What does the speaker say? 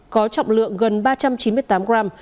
có trọng lượng gần ba trăm chín mươi tám gram